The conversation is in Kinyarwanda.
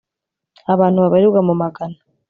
abantu babarirwa mu magana